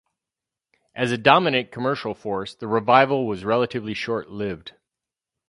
As a dominant commercial force, the revival was relatively short-lived.